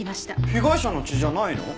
被害者の血じゃないの？